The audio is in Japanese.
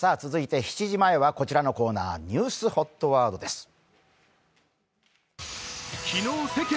続いて７時前はこちらのコーナー、ニュースＨＯＴワードです。